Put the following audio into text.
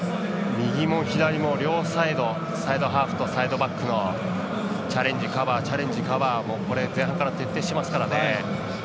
右も左も両サイドサイドハーフとサイドバックのチャレンジ、カバーチャレンジ、カバーこれ、前半から徹底してますからね。